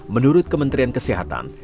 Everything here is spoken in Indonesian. menurut kementerian kesehatan